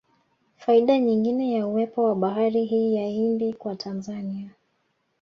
Faida nyingine ya uwepo wa bahari hii ya Hindi kwa Tanzania